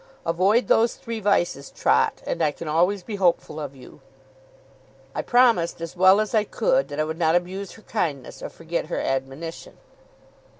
Avoid those three vices, Trot, and I can always be hopeful of you.' I promised, as well as I could, that I would not abuse her kindness or forget her admonition.